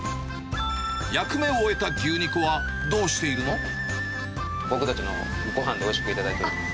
役目を終えた牛肉はどうしている僕たちのごはんでおいしく頂いています。